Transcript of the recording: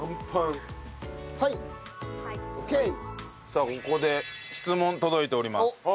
さあここで質問届いております。